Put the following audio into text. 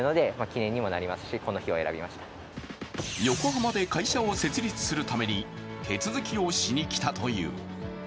横浜で会社を設立するために、手続きをしにきたという。